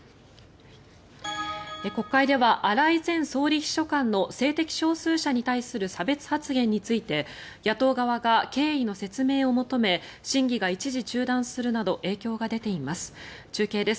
国会では荒井前総理秘書官の性的少数者に対する差別発言に対して野党側が経緯の説明を求め審議が一時、中断するなど影響が出ています。